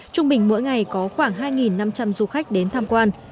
trung bình mỗi ngày có khoảng hai năm trăm linh du khách đến tham quan